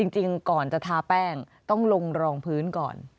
จริงก่อนจะทาแป้งต้องลงรองพื้นก่อน